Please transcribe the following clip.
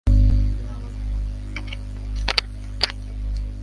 জানালার ধারে দাঁড়াইলেই বিশালাক্ষী ঠাকুরের কথা তাহার মনে ওঠে।